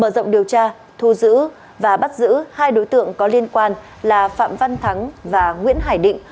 mở rộng điều tra thu giữ và bắt giữ hai đối tượng có liên quan là phạm văn thắng và nguyễn hải định